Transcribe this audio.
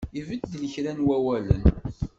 Ibeddel kra n wawalen.